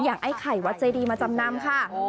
อย่างคัยวัดใจดีมาจำนำค่ะ